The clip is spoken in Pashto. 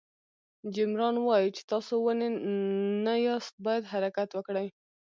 جیم ران وایي چې تاسو ونې نه یاست باید حرکت وکړئ.